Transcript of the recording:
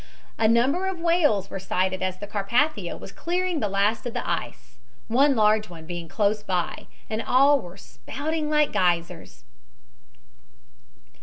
"A number of whales were sighted as the Carpathia was clearing the last of the ice, one large one being close by, and all were spouting like geysers."